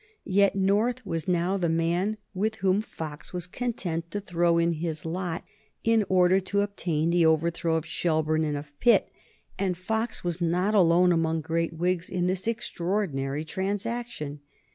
Yet North was now the man with whom Fox was content to throw in his lot in order to obtain the overthrow of Shelburne and of Pitt. And Fox was not alone among great Whigs in this extraordinary transaction.